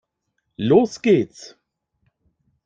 Los geht's!